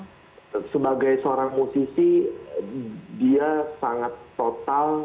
sebagai seorang musisi dia sangat total